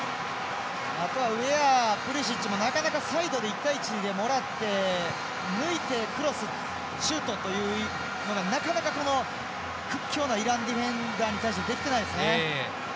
あとはウェアプリシッチも、なかなかサイドで１対１でもらって抜いてクロス、シュートというのがなかなか、屈強なイランディフェンダーに対してできていないですね。